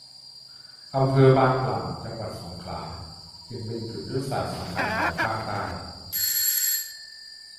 อำเภอบางกล่ำ จังหวัดสงขลาจึงเป็นจุดยุทธศาสตร์สำคัญของภาคใต้